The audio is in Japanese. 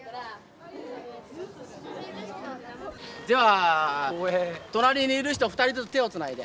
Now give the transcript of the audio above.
では隣にいる人２人ずつ手をつないで。